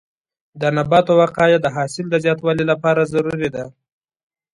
د نباتو وقایه د حاصل د زیاتوالي لپاره ضروري ده.